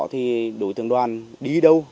thì đối tượng đoàn đi đâu